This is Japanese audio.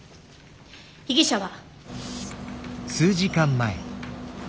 被疑者は。